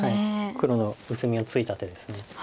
黒の薄みをついた手です。